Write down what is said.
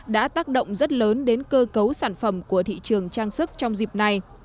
đã tác động rất lớn đến cơ cấu sản phẩm của thị trường trang sức trong dịp này